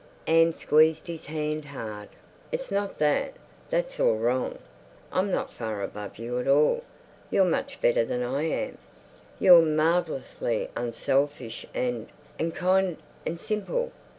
Anne squeezed his hand hard. "It's not that. That's all wrong. I'm not far above you at all. You're much better than I am. You're marvellously unselfish and... and kind and simple.